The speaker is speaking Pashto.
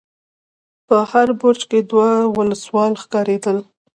په هر برج کې دوه وسلوال ښکارېدل.